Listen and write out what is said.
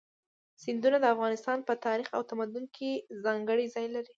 سیندونه د افغانستان په تاریخ او تمدن کې ځانګړی ځای لري.